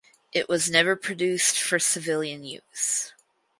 It was never produced for civilian use.